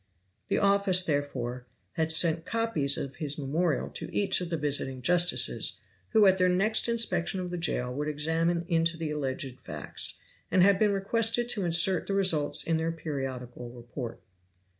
The office, therefore, had sent copies of his memorial to each of the visiting justices, who at their next inspection of the jail would examine into the alleged facts, and had been requested to insert the results in their periodical report.